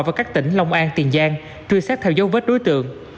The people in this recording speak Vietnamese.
vào các tỉnh long an tiền giang truy sát theo dấu vết đối tượng